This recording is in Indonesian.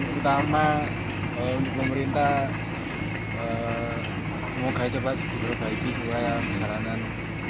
untuk atas jalan utama pemerintah semoga cepat berbaiki seluruh jalanan